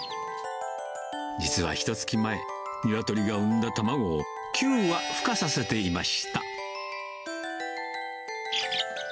実はひとつき前、ニワトリが産んだ卵を９羽ふ化させていました。